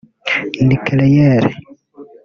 nucléaire